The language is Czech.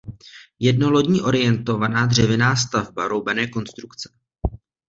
Jednolodní orientovaná dřevěná stavba roubené konstrukce.